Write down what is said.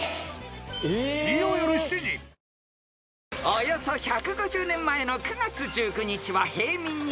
［およそ１５０年前の９月１９日は平民に名字が許された日］